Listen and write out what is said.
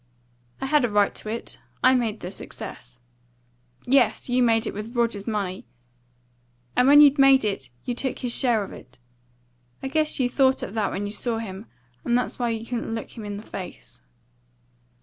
"I had a right to it. I made the success." "Yes, you made it with Rogers's money; and when you'd made it you took his share of it. I guess you thought of that when you saw him, and that's why you couldn't look him in the face."